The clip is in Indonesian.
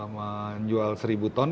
menjual seribu ton